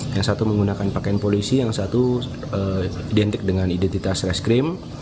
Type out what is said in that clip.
yang satu menggunakan pakaian polisi yang satu identik dengan identitas reskrim